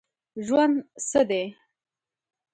ژوند څه دی ؟